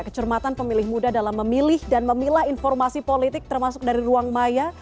kecermatan pemilih muda dalam memilih dan memilah informasi politik termasuk dari ruang maya